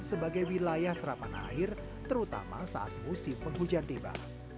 sebagai wilayah serapan air terutama saat musim penghujan tiba